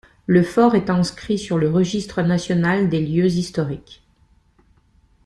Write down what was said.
Le fort est inscrit sur le Registre national des lieux historiques.